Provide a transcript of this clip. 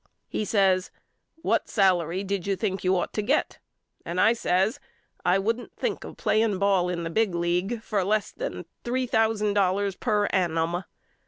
He says What salary did you think you ought to get 4 ? and I says I wouldn't think of playing ball in the big league for less than three thousand dollars per annum.